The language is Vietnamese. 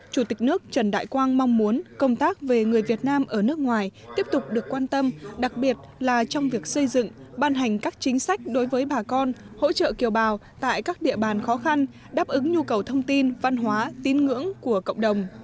chủ tịch nước trần đại quang mong muốn công tác về người việt nam ở nước ngoài tiếp tục được quan tâm đặc biệt là trong việc xây dựng ban hành các chính sách đối với bà con hỗ trợ kiều bào tại các địa bàn khó khăn đáp ứng nhu cầu thông tin văn hóa tín ngưỡng của cộng đồng